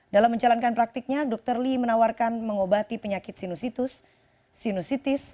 dalam menjalankan praktiknya dokter li menawarkan mengobati penyakit sinusitis